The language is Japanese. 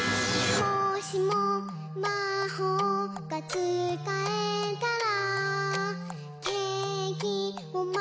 「もしもまほうがつかえたら」